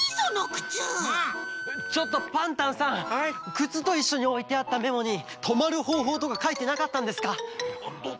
くつといっしょにおいてあったメモにとまるほうほうとかかいてなかったんですか？